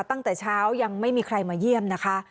ตั้งแต่เช้ายังไม่มีใครมาเยี่ยมนะคะ